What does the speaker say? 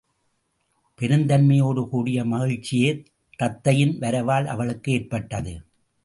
பெருந்தன்மையோடு கூடிய மகிழ்ச்சியே தத்தையின் வரவால் அவளுக்கு ஏற்பட்டது.